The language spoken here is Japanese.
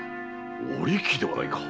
お力ではないか！